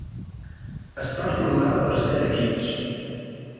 Està formada per set equips.